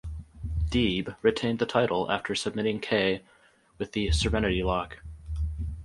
Deeb retained the title after submitting Kay with the "Serenity Lock".